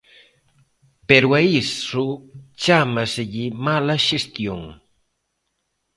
Pero a iso chámaselle mala xestión.